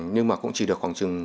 nhưng mà cũng chỉ được khoảng chừng